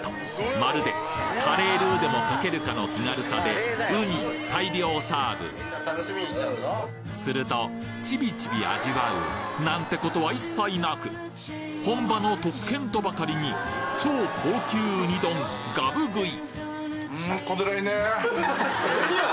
まるでカレールーでもかけるかの気軽さでウニ大量サーブするとちびちび味わうなんて事は一切なく本場の特権とばかりに超高級ウニ丼ガブ食い